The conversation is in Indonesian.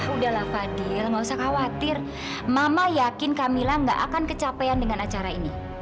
sudahlah fadil enggak usah khawatir mama yakin kamilah enggak akan kecapean dengan acara ini